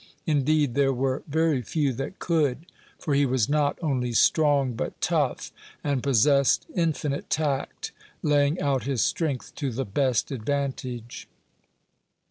Indeed there were very few that could; for he was not only strong, but tough, and possessed infinite tact, laying out his strength to the best advantage.